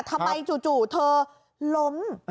ถ้าไปจู่เธอล้ม